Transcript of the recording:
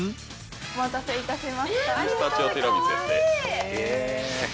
お待たせいたしました。